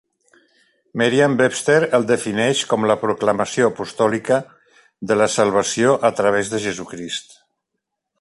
Merriam-Webster el defineix com "la proclamació apostòlica de la salvació a través de Jesucrist".